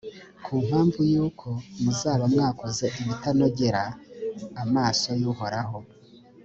ku mpamvu y’uko muzaba mwakoze ibitanogera amaso y’uhoraho,